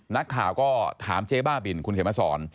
นักข่าวก็ถามเจ๊บ้าบินคุณเขมสอน